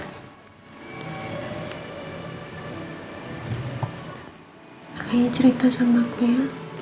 kayaknya cerita sama aku ya